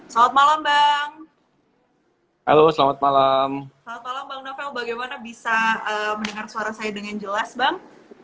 salam malam bang halo selamat malam bagaimana bisa mendengar suara saya dengan jelas bang